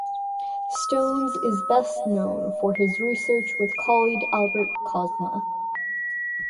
Stones is best known for his research with colleague Albert Kozma.